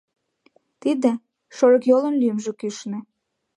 Тиде Шорыкйолын лӱмжӧ кӱшнӧ